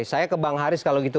saya ke bang haris kalau gitu